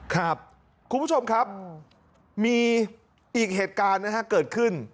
คุณผู้ชมครับมีอีกเหตุการณ์นะฮะเกิดขึ้น